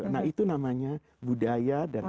nah itu namanya budaya dan agama